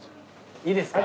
いいですか？